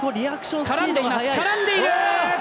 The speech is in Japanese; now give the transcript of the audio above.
絡んでいる！